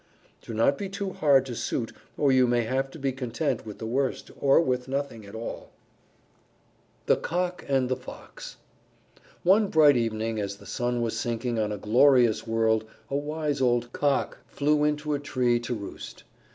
Do not be too hard to suit or you may have to be content with the worst or with nothing at all. THE COCK AND THE FOX One bright evening as the sun was sinking on a glorious world a wise old Cock flew into a tree to roost.